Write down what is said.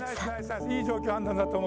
いい状況判断だと思うよ。